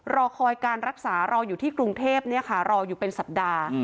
รอคอยการรักษารออยู่ที่กรุงเทพรออยู่เป็นสัปดาห์